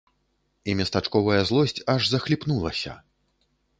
І местачковая злосць аж захліпнулася.